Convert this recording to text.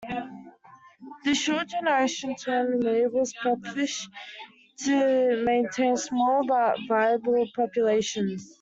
This short generation time enables pupfish to maintain small but viable populations.